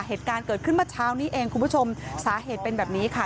เหตุการณ์เกิดขึ้นเมื่อเช้านี้เองคุณผู้ชมสาเหตุเป็นแบบนี้ค่ะ